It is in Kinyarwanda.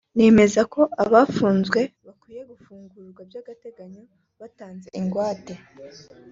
ntekereza ko abafunze bakwiye gufungurwa by’agateganyo batanze ingwate